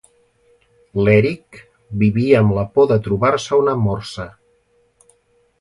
L'Eric vivia amb la por de trobar-se una morsa.